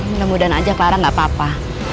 menemudan aja clara gak apa apa